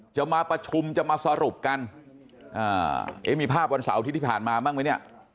จะมาประชุมจะมาสรุปกันมีภาพวันเสาร์อาทิตย์ที่ผ่านมาบ้างไหมเนี่ย